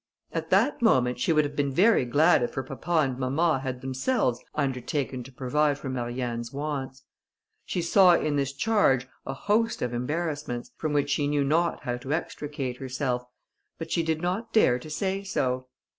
At that moment, she would have been very glad if her papa and mamma had themselves undertaken to provide for Marianne's wants. She saw in this charge a host of embarrassments, from which she knew not how to extricate herself, but she did not dare to say so.